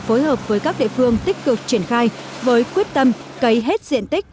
phối hợp với các địa phương tích cực triển khai với quyết tâm cấy hết diện tích